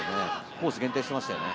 コースを限定してましたね。